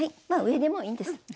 まあ上でもいいんです。